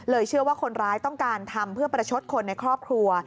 เชื่อว่าคนร้ายต้องการทำเพื่อประชดคนในครอบครัว